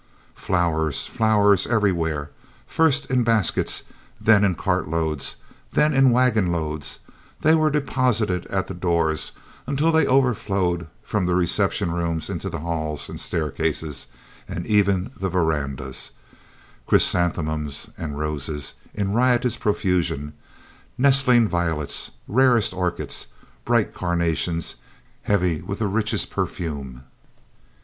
Flowers, flowers everywhere, first in baskets, then in cartloads, then in waggon loads, they were deposited at the doors until they overflowed from the reception rooms into the halls and staircases, and even the verandahs chrysanthemums and roses in riotous profusion, nestling violets, rarest orchids, bright carnations, heavy with the richest perfume.